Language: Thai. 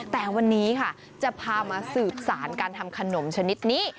แต่วันนี้ค่ะจะพามาสืบสารการทำขนมชนิดนี้